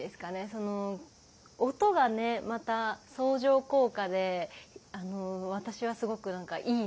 その音がねまた相乗効果で私はすごく何かいいなあっていう。